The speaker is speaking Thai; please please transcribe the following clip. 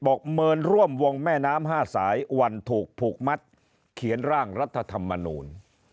เมินร่วมวงแม่น้ำ๕สายวันถูกผูกมัดเขียนร่างรัฐธรรมนูล